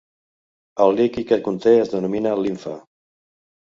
El líquid que conté es denomina limfa.